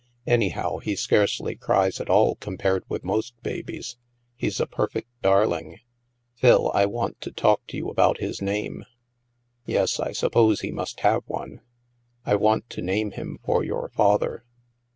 Anyhow, he scarcely cries at all compared with most babies. He's a perfect darling. Phil, I want to talk to you about his name." " Yes, I suppose he must have one.'* " I want to name him for your father."